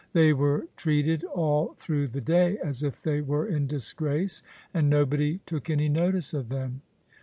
They were treated all through the day as if they were in disgrace, and nobody took any notice of them.